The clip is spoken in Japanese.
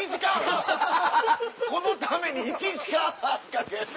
このために１時間半かけて。